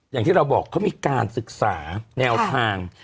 อย่างที่เราบอกเขามีการศึกษาแนวทาง